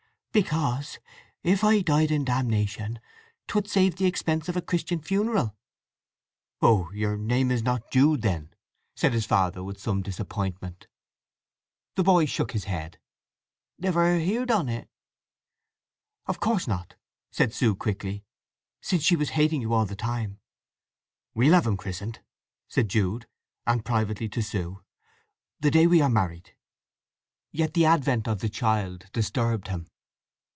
"Because, if I died in damnation, 'twould save the expense of a Christian funeral." "Oh—your name is not Jude, then?" said his father with some disappointment. The boy shook his head. "Never heerd on it." "Of course not," said Sue quickly; "since she was hating you all the time!" "We'll have him christened," said Jude; and privately to Sue: "The day we are married." Yet the advent of the child disturbed him.